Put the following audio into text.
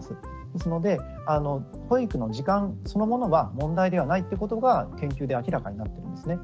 ですので保育の時間そのものが問題ではないってことが研究で明らかになってるんですね。